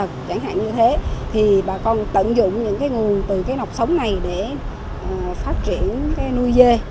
chẳng hạn như thế thì bà con tận dụng những cái nguồn từ cái nọc sống này để phát triển cái nuôi dê